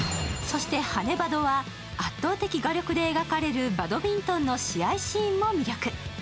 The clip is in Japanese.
そして「はねバド！」は圧倒的画力で描かれるバドミントンの試合シーンも魅力。